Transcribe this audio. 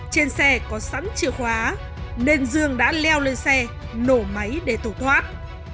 trên xe có sẵn chìa khóa nên dương đã leo lên xe nổ máy để tẩu thoát